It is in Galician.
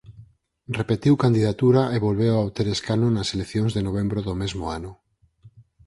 Repetiu candidatura e volveu a obter escano nas Eleccións de novembro do mesmo ano.